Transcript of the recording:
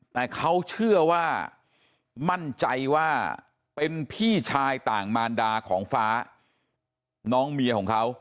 แต่เขาเชื่อว่ามั่นใจว่าเป็นพี่ชายต่างมารดาของฟ้าน้องเมียของเขา